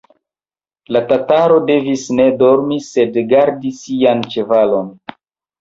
La tataro devis ne dormi, sed gardi sian ĉevalon.